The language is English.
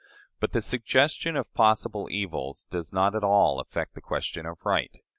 But the suggestion of possible evils does not at all affect the question of right.